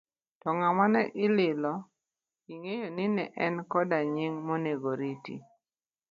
To ng'ama ne ililo, ing'eyo ni en koda nying' monego oriti?